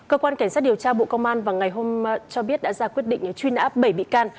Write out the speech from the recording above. cơ quan cảnh sát điều tra bộ công an vào ngày hôm cho biết đã ra quyết định truy nã bảy bị can